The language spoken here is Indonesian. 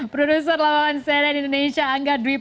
produser lawan seren indonesia angga drip